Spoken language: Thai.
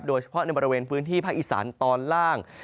โดยเฉพาะประเภนพื้นที่ภาคอิสรตอนล่าง